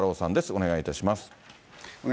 お願いいたします。